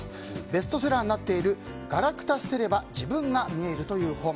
ベストセラーになっている「ガラクタ捨てれば自分が見える」という本。